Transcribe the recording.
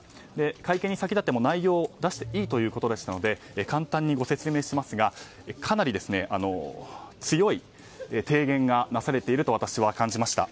会見に先立って内容を出していいということでしたので簡単にご説明しますがかなり強い提言がなされていると私は感じました。